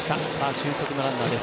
俊足のランナーです。